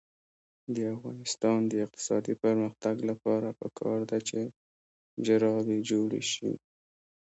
د افغانستان د اقتصادي پرمختګ لپاره پکار ده چې جرابې جوړې شي.